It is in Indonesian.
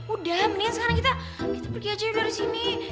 udah mendingan sekarang kita habis pergi aja dari sini